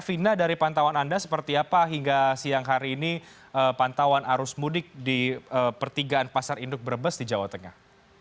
vina dari pantauan anda seperti apa hingga siang hari ini pantauan arus mudik di pertigaan pasar induk brebes di jawa tengah